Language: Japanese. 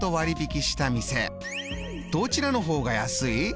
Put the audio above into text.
どちらの方が安い？